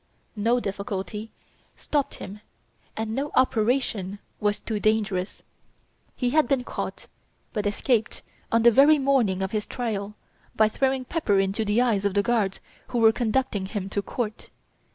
No difficulty stopped him and no "operation" was too dangerous. He had been caught, but escaped on the very morning of his trial, by throwing pepper into the eyes of the guards who were conducting him to Court.